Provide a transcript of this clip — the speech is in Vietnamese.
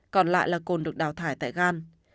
còn lại là cồn được đào thải tại gan